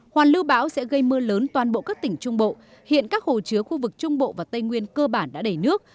hoàn lưu bão sẽ gây mưa lớn toàn bộ các tỉnh trung bộ hiện các hồ chứa khu vực trung bộ và tây nguyên cơ bản đã đầy nước